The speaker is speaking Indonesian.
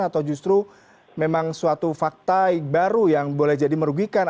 atau justru memang suatu fakta baru yang boleh jadi merugikan